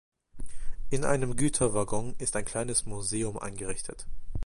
In einem Güterwaggon ist ein kleines Museum eingerichtet.